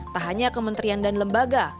tak hanya kementerian dan lembaga